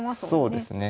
そうですね。